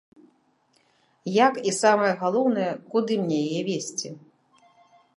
Як і, самае галоўнае, куды мне яе везці?